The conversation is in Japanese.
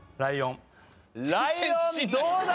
ライオンどうだ？